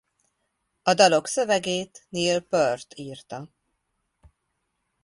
A dalok szövegét Neil Peart írta.